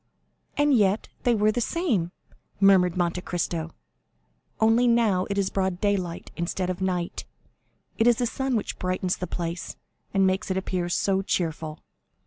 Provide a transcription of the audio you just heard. "And yet they were the same," murmured Monte Cristo, "only now it is broad daylight instead of night; it is the sun which brightens the place, and makes it appear so cheerful."